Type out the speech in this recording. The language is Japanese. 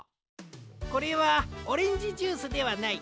これはオレンジジュースではない。